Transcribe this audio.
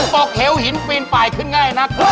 ปกเฮวหินปีนไปคืนง่ายหนัก